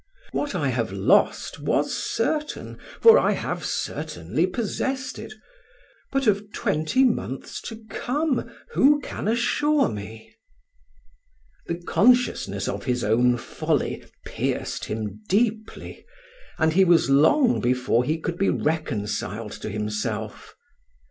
What I have lost was certain, for I have certainly possessed it; but of twenty months to come, who can assure me?" The consciousness of his own folly pierced him deeply, and he was long before he could be reconciled to himself.